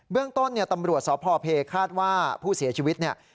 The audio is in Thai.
เรื่องต้นเนี่ยตำรวจสพเพคาดว่าผู้เสียชีวิตเนี่ย